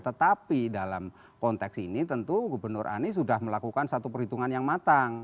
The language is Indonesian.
tetapi dalam konteks ini tentu gubernur anies sudah melakukan satu perhitungan yang matang